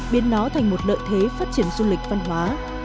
biến nó thành một lợi thế phát triển du lịch văn hóa